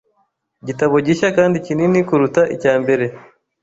gitabo gishya kandi kinini kuruta icya mbere,